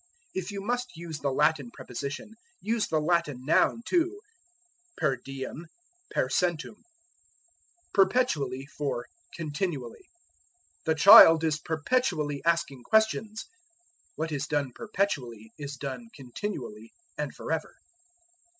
If you must use the Latin preposition use the Latin noun too: per diem; per centum. Perpetually for Continually. "The child is perpetually asking questions." What is done perpetually is done continually and forever.